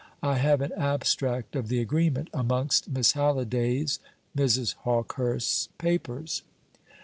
I have an abstract of the agreement, amongst Miss Halliday's Mrs. Hawkehurst's papers."